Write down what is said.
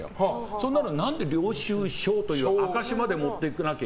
そんなら何で領収証という証しまで持ってくるのか。